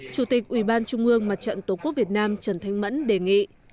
chủ tịch ubnd mặt trận tổ quốc việt nam trần thanh mẫn đề nghị